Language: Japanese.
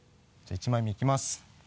１枚目いきます。